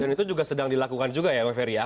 dan itu juga sedang dilakukan juga ya mbak ferry